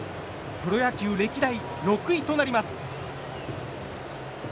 プロ野球歴代６位となります。